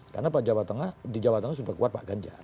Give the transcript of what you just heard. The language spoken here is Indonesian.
karena di jawa tengah sudah kuat pak ganjar